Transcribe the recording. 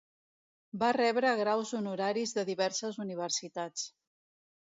Va rebre graus honoraris de diverses universitats.